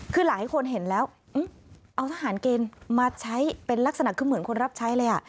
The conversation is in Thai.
คือหลายคนเห็นแล้วเอาทหารเกณฑ์มาใช้เป็นลักษณะคือเหมือนคนรับใช้เลย